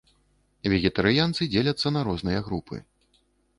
Вегетарыянцы дзеляцца на розныя групы.